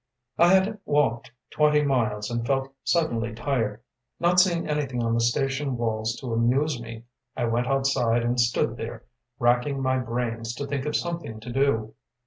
I had walked twenty miles and felt suddenly tired. Not seeing anything on the station walls to amuse me, I went outside and stood there racking my brains to think of something to do.